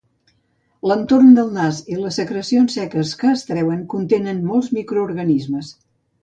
L'entorn del nas i les secrecions seques que es treuen contenen molts microorganismes.